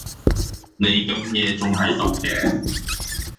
你咁夜仲喺度嘅？